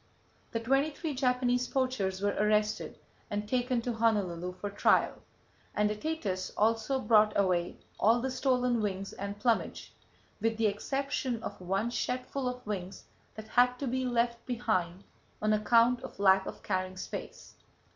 The twenty three Japanese poachers were arrested and taken to Honolulu for trial, and the Thetis also brought away all the stolen wings and plumage with the exception of one shedful of wings that had to be left [Page 140] behind on account of lack of carrying space.